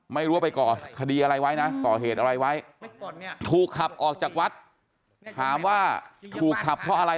ไม่รู้ว่าไปก่อคดีอะไรไว้นะก่อเหตุอะไรไว้ถูกขับออกจากวัดถามว่าถูกขับเพราะอะไร